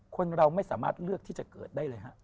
คนเราไม่สามารถเลือกที่จะเกิดได้เลยฮะ